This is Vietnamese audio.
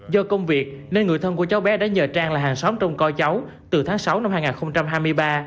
do công việc nên người thân của cháu bé đã nhờ trang là hàng xóm trong coi cháu từ tháng sáu năm hai nghìn hai mươi ba